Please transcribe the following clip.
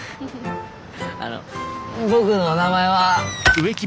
あの僕の名前は。